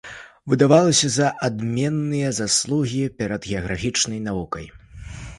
Выдавалася за адменныя заслугі перад геаграфічнай навукай.